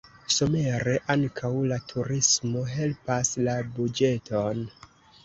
Somere ankaŭ la turismo helpas la buĝeton.